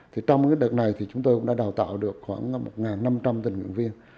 trong đợt này chúng tôi đã đào tạo được khoảng một năm trăm linh tình nguyện viên